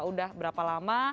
sudah berapa lama